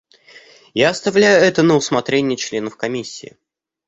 Я оставляю это на усмотрение членов Комиссии.